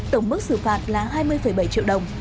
tổng mức xử phạt là hai mươi bảy triệu đồng